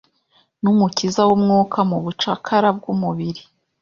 numukiza wumwuka mubucakara bwumubiri